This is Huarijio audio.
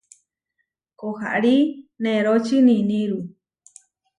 Koharí neróči niníru.